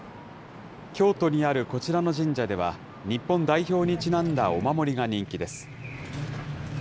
京都にあるこちらの神社では、日本代表にちなんだお守りが人気です。